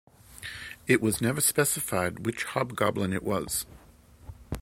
It was never specified which Hobgoblin it was.